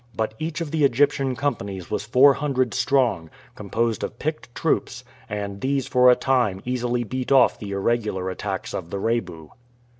But each of the Egyptian companies was four hundred strong, composed of picked troops, and these for a time easily beat off the irregular attacks of the Rebu.